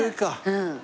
うん。